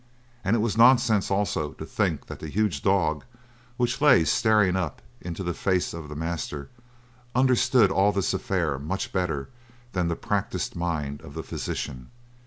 And it was nonsense, also, to think that the huge dog which lay staring up into the face of the master understood all this affair much better than the practiced mind of the physician.